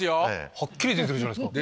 はっきり出てるじゃないですか。